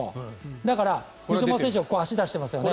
だから三笘選手が足を出してますよね。